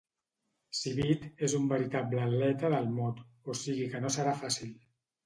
Civit és un veritable atleta del mot, o sigui que no serà fàcil.